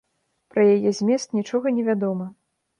Пра яе змест нічога не вядома.